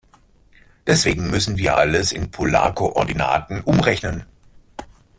Deswegen müssen wir alles in Polarkoordinaten umrechnen.